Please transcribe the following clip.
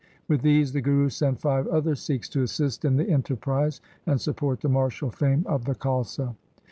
With these the Guru sent five other Sikhs to assist in the enterprise and support the martial fame of the Khalsa.